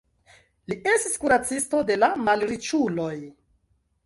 Li estis kuracisto de la malriĉuloj.